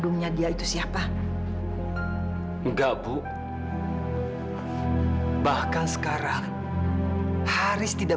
mila gak percaya